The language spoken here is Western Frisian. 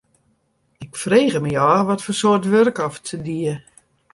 Ik frege my ôf watfoar soarte wurk oft se die.